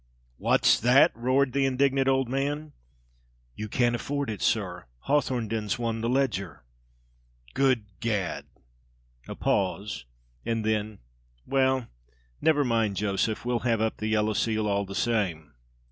"What's that?" roared the indignant old man. "You can't afford it, sir Hawthornden's won th' Leger!" "Good Gad!" A pause and then, "Well, never mind, Joseph, we'll have up the yellow seal, all the same."